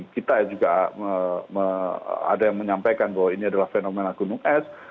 kita juga ada yang menyampaikan bahwa ini adalah fenomena gunung es